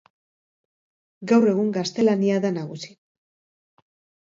Gaur egun gaztelania da nagusi.